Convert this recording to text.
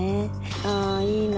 「あいいな。